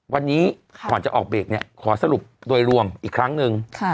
วันนี้ก่อนจะออกเบรกเนี่ยขอสรุปโดยรวมอีกครั้งหนึ่ง